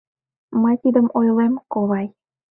Мый тидым ойлем, ковай.